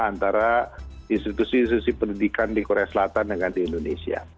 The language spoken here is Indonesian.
antara institusi institusi pendidikan di korea selatan dengan di indonesia